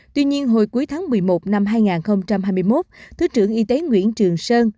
tuy nhiên hồi cuối tháng một mươi một năm hai nghìn hai mươi một thứ trưởng y tế nguyễn trường sơn